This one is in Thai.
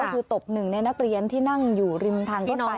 ก็คือตบหนึ่งในนักเรียนที่นั่งอยู่ริมทางก็นอน